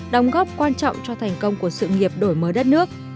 đóng góp quan trọng cho thành công của sự nghiệp đổi mới đất nước